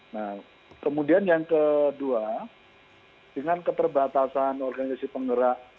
nah kemudian yang kedua dengan keterbatasan organisasi penggerak